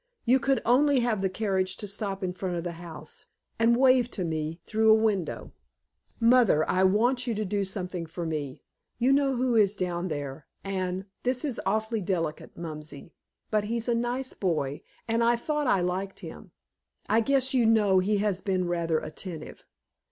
You could only have the carriage to stop in front of the house, and wave to me through a window. Mother, I want you to do something for me. You know who is down there, and this is awfully delicate, Mumsy but he's a nice boy, and I thought I liked him. I guess you know he has been rather attentive.